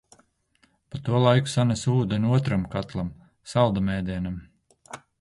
Pa to laiku sanesu ūdeni otram katlam, saldam ēdienam.